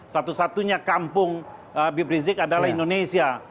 satu satunya kampung habib rizik adalah indonesia